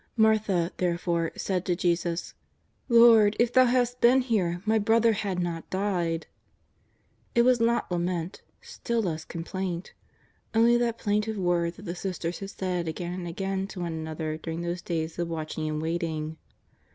Martha, therefore, said to Jesus :" Lord, if Thou hadst been here, my brother had not died." It was not lament, still less complaint, only that plaintive word that the sisters had said again and again to one another during those days of watching and waiting.